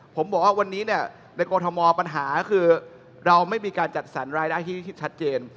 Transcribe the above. ผมบอกว่าวันนี้เนี่ยในกรทมปัญหาคือเราไม่มีการจัดสรรรายได้ที่ชัดเจน